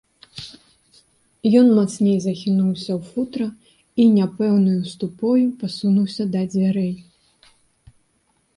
Ён мацней захінуўся ў футра і няпэўнаю ступою пасунуўся да дзвярэй.